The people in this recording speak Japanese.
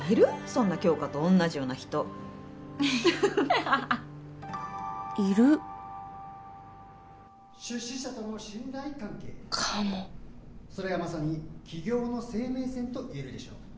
そんな杏花と同じような人いる出資者との信頼関係かもそれはまさに起業の生命線と言えるでしょう